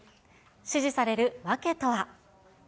支持される訳とは。